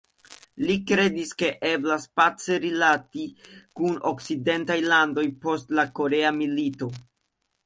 Li kredis ke eblas pace rilati kun okcidentaj landoj post la Korea milito.